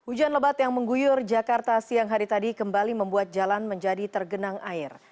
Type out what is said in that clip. hujan lebat yang mengguyur jakarta siang hari tadi kembali membuat jalan menjadi tergenang air